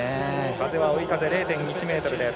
風は追い風０．１メートルです。